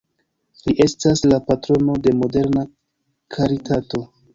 Li estas la patrono de moderna karitato.